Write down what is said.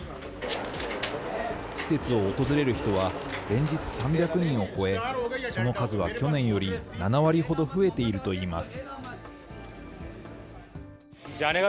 施設を訪れる人は連日３００人を超え、その数は去年より７割ほど増えているといいます。